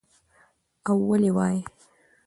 او ولې وايى